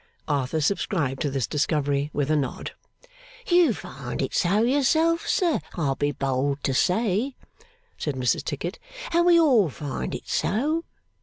Arthur subscribed to this discovery with a nod. 'You find it so yourself, sir, I'll be bold to say,' said Mrs Tickit, 'and we all find it so.